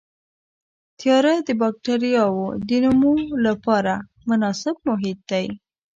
تیاره د بکټریاوو د نمو لپاره مناسب محیط دی.